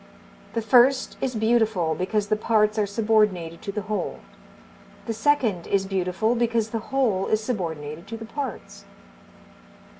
The first is beautiful because the parts are subordinated to the whole; the second is beautiful because the whole is subordinated to the parts."